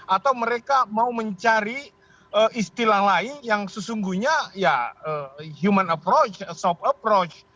atau mereka mau mencari istilah lain yang sesungguhnya ya human approach soft approach